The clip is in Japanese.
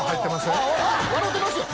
笑うてますよ！